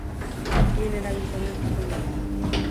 Gehien erabiltzen den jardunbidea da.